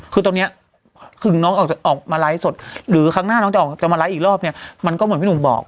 คือตอนนี้ถึงน้องออกมาไลฟ์สดหรือครั้งหน้าน้องจะออกจะมาไลฟ์อีกรอบเนี่ยมันก็เหมือนพี่หนุ่มบอก